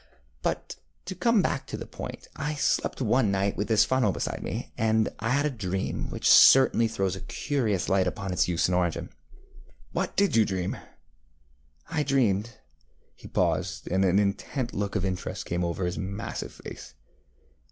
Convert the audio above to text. But to come back to the point, I slept one night with this funnel beside me, and I had a dream which certainly throws a curious light upon its use and origin. ŌĆØ ŌĆ£What did you dream? ŌĆØ ŌĆ£I dreamedŌĆöŌĆØ He paused, and an intent look of interest came over his massive face.